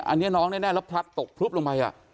อันนี้น้องแน่แล้วพลัดตกพลุบลงไป